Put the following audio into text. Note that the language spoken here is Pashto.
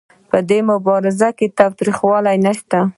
په دې مبارزه کې تاوتریخوالی نشته.